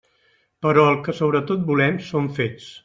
Però el que sobretot volem són fets.